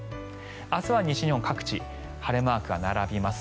明日は西日本各地晴れマークが並びます。